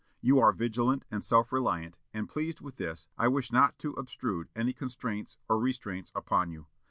You are vigilant and self reliant, and, pleased with this, I wish not to obtrude any constraints or restraints upon you.